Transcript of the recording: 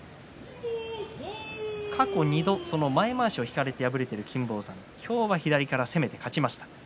過去２度、前まわしを引かれて敗れている金峰山に今日は左から攻めて勝ちました。